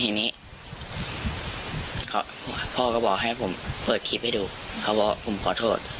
ทีนี้พ่อก็บอกให้ผมเปิดคลิปให้ดูเขาบอกผมขอโทษ